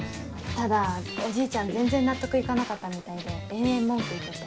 ただおじいちゃん全然納得行かなかったみたいで延々文句言ってて。